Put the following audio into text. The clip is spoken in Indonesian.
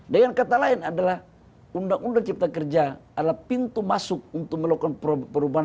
dengan kata lain adalah undang undang cipta kerja adalah pintu masuk untuk melakukan perubahan